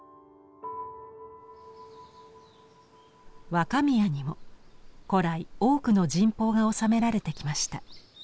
若宮にも古来多くの神宝がおさめられてきました。